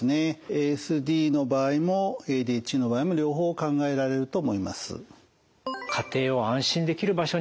ＡＳＤの場合もＡＤＨＤの場合も両方考えられると思います。